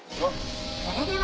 それでは。